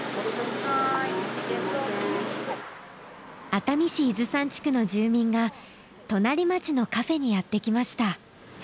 熱海市伊豆山地区の住民が隣町のカフェにやってきました。